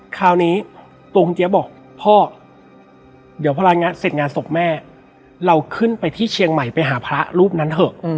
คราวนี้ตัวคุณเจี๊ยบบอกพ่อเดี๋ยวพลังงานเสร็จงานศพแม่เราขึ้นไปที่เชียงใหม่ไปหาพระรูปนั้นเถอะ